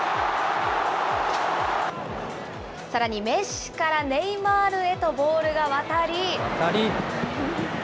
さらにメッシからネイマールへとボールが渡り。